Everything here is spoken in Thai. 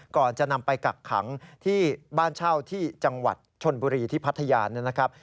ก่อนจะนำไปกักขังที่บ้านเช่าที่จังหวัดชนบุรีที่พัทยานะครับ